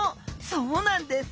そうなんです！